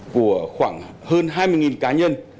của khoảng hơn hai mươi cá nhân